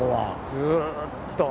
ずっと。